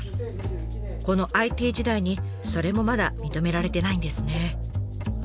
このＩＴ時代にそれもまだ認められてないんですね。